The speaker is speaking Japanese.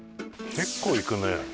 結構いくね。